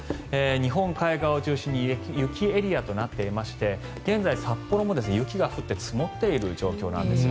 日本海側を中心に雪エリアとなっていまして現在、札幌も雪が降って積もっている状況です。